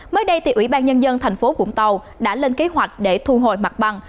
mới đây thì ủy ban nhân dân thành phố vũng tàu đã lên kế hoạch để thu hồi mặt bằng